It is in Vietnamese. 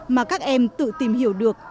mà các em tự tìm hiểu được